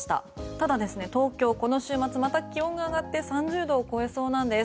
ただ東京、この週末また気温が上がって３０度を超えそうなんです。